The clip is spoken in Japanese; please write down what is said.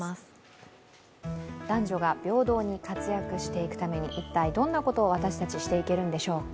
男女が平等に活躍していくために一体どんなことを私たちはしていけるんでしょうか。